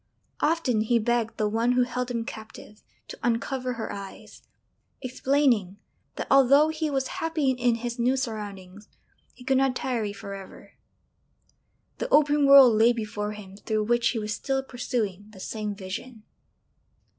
Often he begged the one who held him captive to uncover her eyes, explaining that although he was happy in his new surroundings he could not tarry for ever; the open world lay before him through which he was still pursuing the same vision.